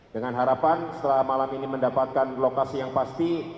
dengan harapan setelah malam ini mendapatkan lokasi yang pasti